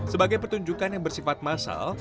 sebagai pertunjukan yang bersifat massal